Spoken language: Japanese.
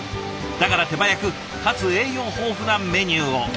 だから手早くかつ栄養豊富なメニューを。